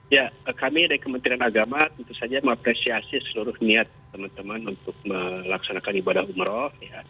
ya kami dari kementerian agama tentu saja mengapresiasi seluruh niat teman teman untuk melaksanakan ibadah umroh